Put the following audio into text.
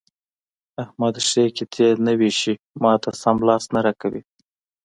احمد ښې قطعې نه وېشي؛ ما ته سم لاس نه راکوي.